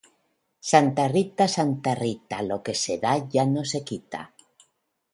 Santa Rita, Santa Rita, lo que se da ya no se quita.